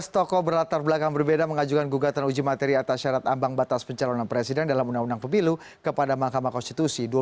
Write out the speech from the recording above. tujuh belas tokoh berlatar belakang berbeda mengajukan gugatan uji materi atas syarat ambang batas pencalonan presiden dalam undang undang pemilu kepada mahkamah konstitusi